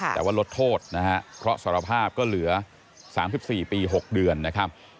แต่ว่าลดโทษนะฮะเพราะสารภาพก็เหลือ๓๔ปี๖เดือนนะครับ